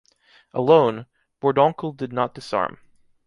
Alone, Bourdoncle did not disarm.